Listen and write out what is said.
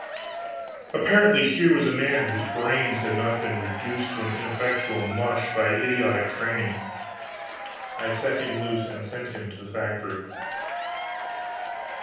Apparently here was a man whose brains had not been reduced to an ineffectual mush by idiotic training. I set him loose and sent him to the Factory.